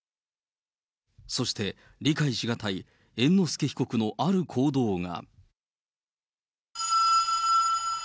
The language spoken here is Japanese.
そして理解しがたい猿之助被告のある行動が。